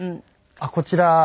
あっこちら。